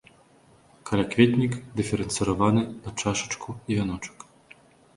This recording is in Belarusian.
Калякветнік дыферэнцыраваны на чашачку і вяночак.